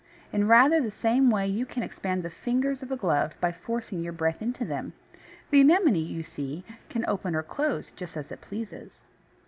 In rather the same way you can expand the fingers of a glove by forcing your breath into them. The Anemone, you see, can open or close just as it pleases.